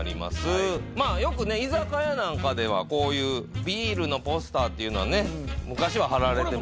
よく居酒屋なんかではこういうビールのポスターっていうのは昔は張られて。